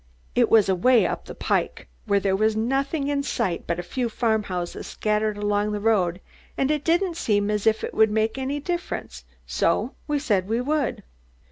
It was away up the pike, where there was nothing in sight but a few farmhouses, scattered along the road, and it didn't seem as if it would make any difference, so we said we would."